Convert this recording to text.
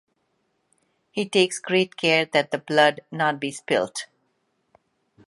He takes great care that the blood not be spilt.